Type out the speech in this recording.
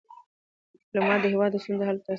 ډيپلومات د هیواد د ستونزو حل ته هڅه کوي.